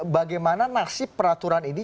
bagaimana nasib peraturan ini